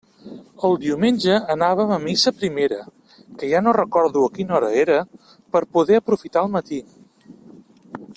El diumenge anàvem a missa primera, que ja no recordo a quina hora era, per poder aprofitar el matí.